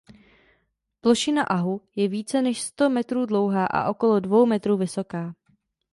Plošina ahu je více než sto metrů dlouhá a okolo dvou metrů vysoká.